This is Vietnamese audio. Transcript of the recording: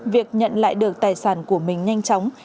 việc nhận lại được tài sản của mình nhanh chóng